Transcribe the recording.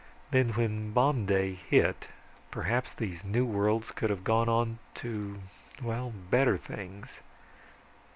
"... Then when Bomb Day hit, perhaps these new worlds could have gone on to, well, better things."